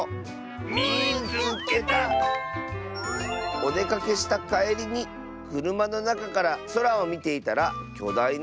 「おでかけしたかえりにくるまのなかからそらをみていたらきょだいな